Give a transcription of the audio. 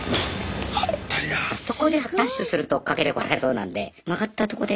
そこでダッシュすると追っかけてこられそうなんで曲がったとこで。